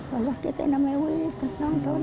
jangan kita tidak bisa menonton